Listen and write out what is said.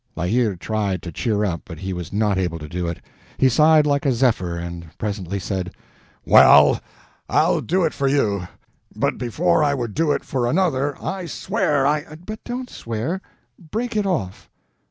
La Hire tried to cheer up, but he was not able to do it. He sighed like a zephyr, and presently said: "Well, I'll do it for you, but before I would do it for another, I swear I—" "But don't swear. Break it off."